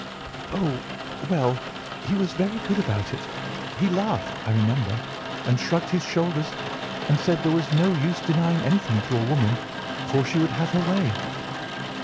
"Oh, well, he was very good about it. He laughed, I remember, and shrugged his shoulders, and said there was no use denying anything to a woman, for she would have her way."